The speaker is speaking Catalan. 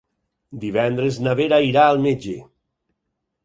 Divendres na Vera irà al metge.